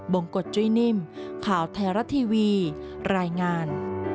งกฎจุ้ยนิ่มข่าวไทยรัฐทีวีรายงาน